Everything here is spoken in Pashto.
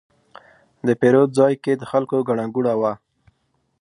د پیرود ځای کې د خلکو ګڼه ګوڼه وه.